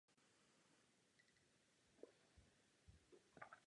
Samotným městem pak částečně protéká rameno Malá Ohře.